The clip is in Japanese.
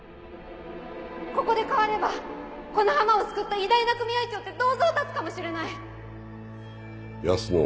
ここで変わればこの浜を救った偉大な組合長って銅像建つかもしれない安野。